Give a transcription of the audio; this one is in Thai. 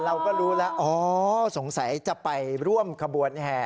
เราก็รู้แล้วอ๋อสงสัยจะไปร่วมขบวนแห่